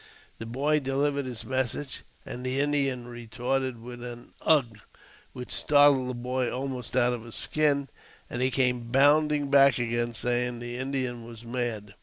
The boy delivered his message, and the Indian retorted with a " Ugh !" which startled the boy almost out of his skin, and he came bounding back again, saying the Indian was mad.